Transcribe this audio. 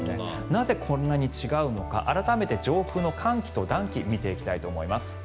なぜこんなに違うのか改めて、上空の寒気と暖気を見ていきたいと思います。